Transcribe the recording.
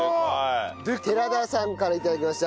寺田さんから頂きました。